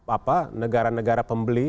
apa negara negara pembeli